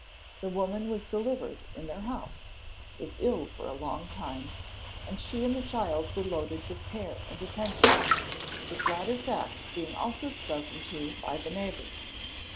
The woman was delivered in their house, was ill for a long time, and she and the child B were loaded with care and attention, this latter fact being also spoken to by the neighbours.